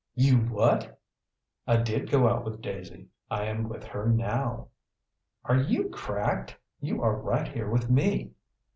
"You what?" "I did go out with Daisy. I am with her now." "Are you cracked? You are right here with me."